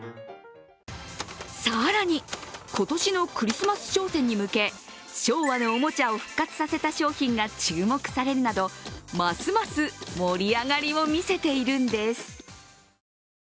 更に今年のクリスマス商戦に向け昭和のおもちゃを復活させた商品が注目されるなど、ますます盛り上がりを見せているんです。